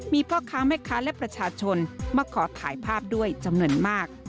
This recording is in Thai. มีพ่อค้าแม่ค้าและประชาชนมาขอถ่ายภาพด้วยจำนวนมาก